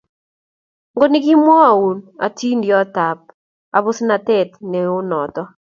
Ngo nikimwaun atindiot tap abusnatet neu noto?